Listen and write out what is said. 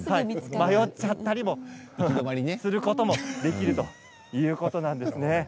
迷っちゃったりすることもできるということなんですね。